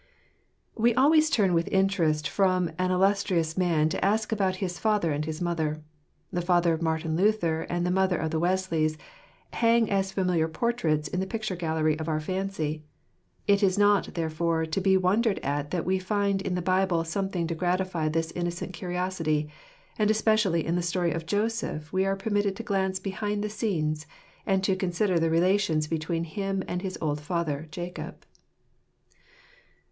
E always turn with interest from an illustrious man to ask about his father and his mother. The father of Martin Luther and the mother of the Wesleys hang as familiar portraits in the picture gallery of our fancy. It is not, therefore, to be wondered at that we find in the Bible something to gratify this innocent curiosity ; and especially in the story of Joseph we are permitted to glance behind the scenes, and to consider the relations between him and his old father, Jacob.